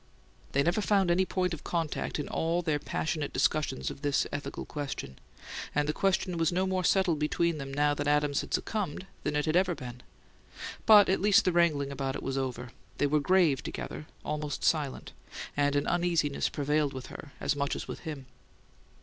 They never found any point of contact in all their passionate discussions of this ethical question; and the question was no more settled between them, now that Adams had succumbed, than it had ever been. But at least the wrangling about it was over: they were grave together, almost silent, and an uneasiness prevailed with her as much as with him.